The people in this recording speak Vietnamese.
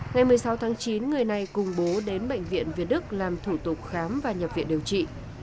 ngày một mươi sáu tháng chín người này cùng bố đến bệnh viện việt đức làm thủ tục khám và nhập viện điều trị